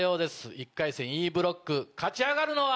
１回戦Ｅブロック勝ち上がるのは。